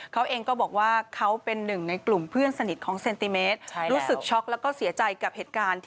เขาเองก็บอกว่าเขาเป็นหนึ่งในกลุ่มเพื่อนสนิทของเซนติเมตร